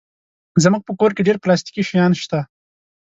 زموږ په کور کې ډېر پلاستيکي شیان شته.